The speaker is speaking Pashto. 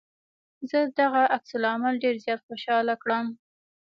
زه دغه عکس العمل ډېر زيات خوشحاله کړم.